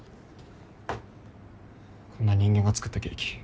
こんな人間が作ったケーキ